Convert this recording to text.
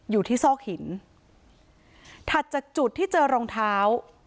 ซอกหินถัดจากจุดที่เจอรองเท้า